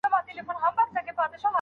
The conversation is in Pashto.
ډېر کسان دي نه د جنګ وي نه د ننګ وي